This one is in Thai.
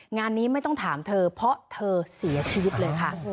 งานนี้ไม่ต้องถามเธอเพราะเธอเสียชีวิตเลยค่ะ